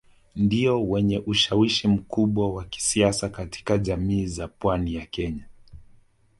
Ndio wenye ushawishi mkubwa wa kisiasa katika jamii za pwani ya Kenya